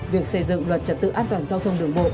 việc xây dựng luật trật tự an toàn giao thông đường bộ